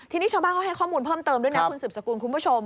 ทีนี้ชาวบ้านเขาให้ข้อมูลเพิ่มเติมด้วยนะคุณสืบสกุลคุณผู้ชม